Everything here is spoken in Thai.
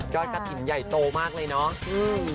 ยอดกระติ่งใหญ่โตมากเลยเนอะ